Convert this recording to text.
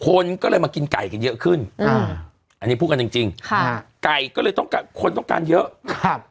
คนก็เลยมากินไก่กันเยอะขึ้นอ่าอันนี้พูดกันจริงจริงค่ะไก่ก็เลยต้องการคนต้องการเยอะครับ